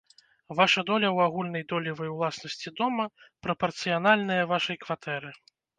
Ваша доля ў агульнай долевай уласнасці дома прапарцыянальная вашай кватэры.